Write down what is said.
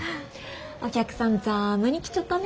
お客さんざぁまに来ちょったね。